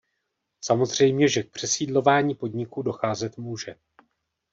Samozřejmě, že k přesídlování podniků docházet může.